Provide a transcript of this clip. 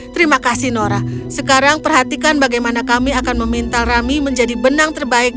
terima kasih nora sekarang perhatikan bagaimana kami akan memintal rami menjadi benang terbaik